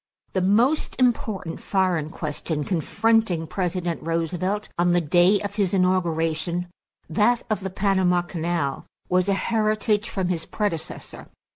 = The most important foreign question confronting President Roosevelt on the day of his inauguration, that of the Panama Canal, was a heritage from his predecessor.